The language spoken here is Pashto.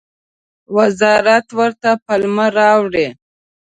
وزارت ورته پلمه راوړي.